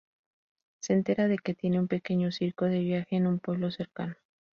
Se entera de que tiene un pequeño circo de viaje en un pueblo cercano.